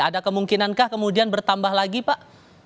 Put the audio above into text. ada kemungkinankah kemudian bertambah lagi pak